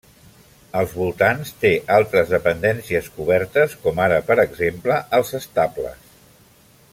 Als voltants té altres dependències cobertes com ara, per exemple, els estables.